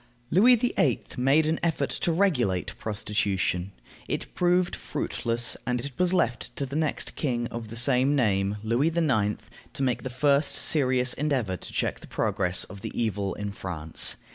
Louis VIII. made an effort to regulate prostitution. It proved fruitless, and it was left to the next king of the same name, Louis IX., to make the first serious endeavor to check the progress of the evil in France.